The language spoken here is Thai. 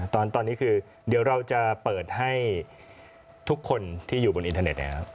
ตอนนี้คือเดี๋ยวเราจะเปิดให้ทุกคนที่อยู่บนอินเทอร์เน็ตนะครับ